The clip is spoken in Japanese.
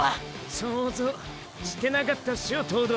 想像してなかったっショ東堂！